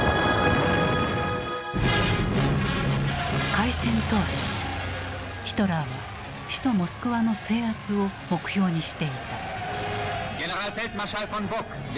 開戦当初ヒトラーは首都モスクワの制圧を目標にしていた。